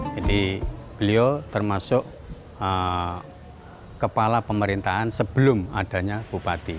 jadi beliau termasuk kepala pemerintahan sebelum adanya bupati